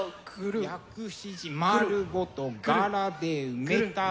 「『薬師寺まるごと柄で埋めたい！』」